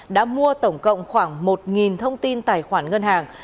đã mua tổng cộng khoảng một thông tin tài khoản ngân hàng